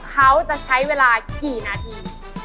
เขาจะใช้เวลากี่นาที